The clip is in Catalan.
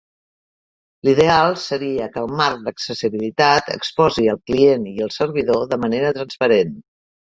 L'ideal seria que el marc d'accessibilitat exposi al client i el servidor de manera transparent.